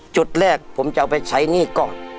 จุดแรกผมจะเอาไปใช้หนี้ก่อน